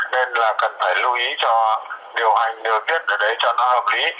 nên là cần phải lưu ý cho điều hành điều kiện ở đấy cho nó hợp lý